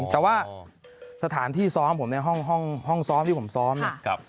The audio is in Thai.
แต่ว่าสถานที่ซ้อมผมในห้องซ้อมที่ผมซ้อมเนี่ย